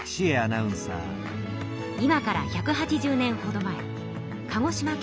今から１８０年ほど前鹿児島県。